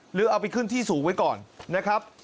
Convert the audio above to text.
หรือเอาไปขึ้นที่สูงไว้ก่อนนะครับ